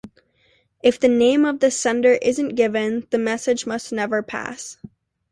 If the name of the sender isn't given, the message must never be passed.